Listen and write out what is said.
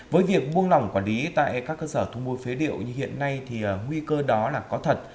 với việc buông lỏng quản lý tại các cơ sở thu mua phế liệu như hiện nay thì nguy cơ đó là có thật